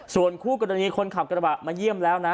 ส่วนคู่กรณีคนขับกรแบบไม่เยี่ยม